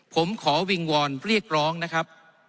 ผมขอวิงวอนเรียกร้องนะครับ